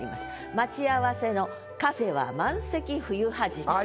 「待ち合わせのカフェは満席冬はじめ」と。